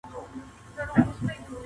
ژباړن باید د ژبي په قواعدو پوه سي.